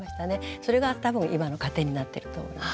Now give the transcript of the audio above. それが多分今の糧になってると思います。